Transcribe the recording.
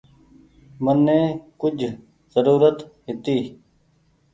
مني ڪجه زرورت هيتي۔